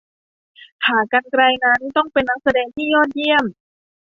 ขากรรไกรนั้นต้องเป็นนักแสดงที่ยอดเยี่ยม